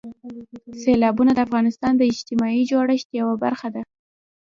سیلابونه د افغانستان د اجتماعي جوړښت یوه برخه ده.